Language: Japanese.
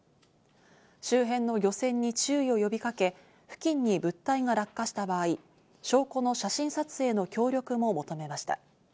周辺の漁船に注意を呼びかけ、付近に物体が落下した場合、証拠の写真撮影の協力も求めました。